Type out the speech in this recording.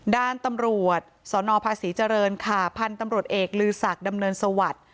ด้านตำรวจสนภาษีเจริญค่ะพันธุ์ตำรวจเอกลือศักดิ์ดำเนินสวัสดิ์